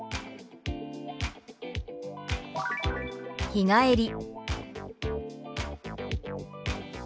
「日帰り」。